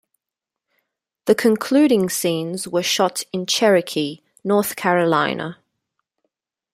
The concluding scenes were shot in Cherokee, North Carolina.